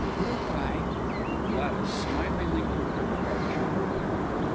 Good bye," and Gladys smilingly took her departure.